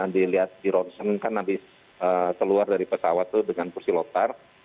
dilihat di ronsen kan habis keluar dari pesawat itu dengan kursi lontar